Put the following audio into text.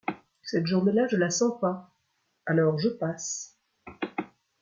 Cette journée-là, je la sens pas, alors je passe !